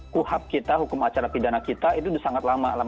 kuhab kita hukum acara pidana kita itu sudah sangat lama delapan puluh satu